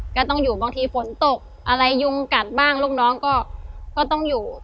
ก็ต้องอยู่บางทีฝนตกอะไรยุงกัดบ้างลูกน้องก็ต้องอยู่